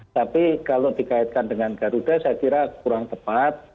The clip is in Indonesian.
tapi kalau dikaitkan dengan garuda saya kira kurang tepat